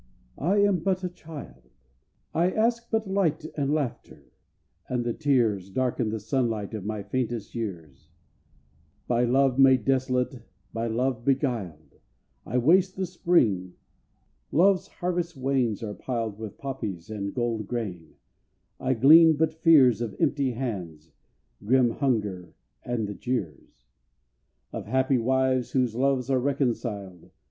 I am but a child; I ask but light and laughter, and the tears Darken the sunlight of my fairest years. By love made desolate, by love beguiled, I waste the Spring. Love's harvest wains are piled With poppies and gold grain I glean but fears Of empty hands, grim hunger, and the jeers Of happy wives whose loves are reconciled.